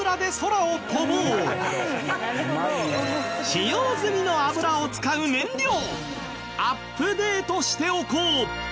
使用済みの油を使う燃料アップデートしておこう。